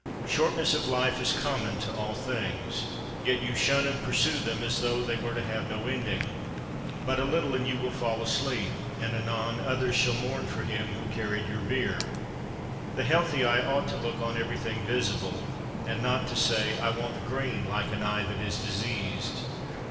Shortness of life is common to all things, yet you shun and pursue them, as though they were to have no ending. But a little and you will fall asleep; and anon others shall mourn for him who carried your bier. 35. The healthy eye ought to look on everything visible, and not to say, "I want green," like an eye that is diseased.